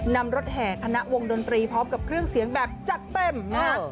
นำรถแห่คณะวงดนตรีพร้อมกับเครื่องเสียงแบบจัดเต็มนะฮะ